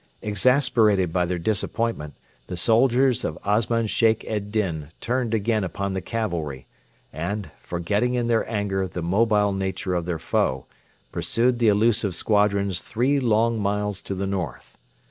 Exasperated by their disappointment, the soldiers of Osman Sheikh ed Din turned again upon the cavalry, and, forgetting in their anger the mobile nature of their foe, pursued the elusive squadrons three long miles to the north.